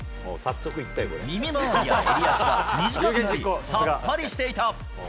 耳周りや襟足が短くなり、さっぱりしていた。